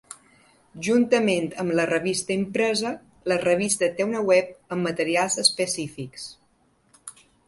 Juntament amb la revista impresa la revista té una web amb materials específics.